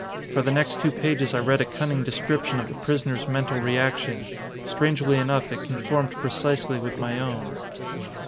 For the next two pages I read a cunning description of the prisoner's mental reaction. Strangely enough, it conformed precisely with my own.